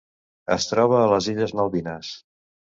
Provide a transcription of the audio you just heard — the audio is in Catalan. Es troba a les Illes Malvines.